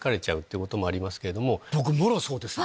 僕もろそうですね。